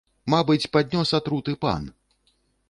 Мабыць, паднёс атруты пан.